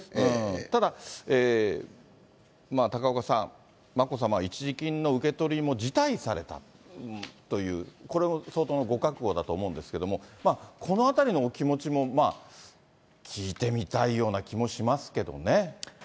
ただ、高岡さん、眞子さまは一時金の受け取りも辞退されたという、これも相当のご覚悟だと思うんですけども、このあたりのお気持ちも、聞いてみたいような気もしますけどね。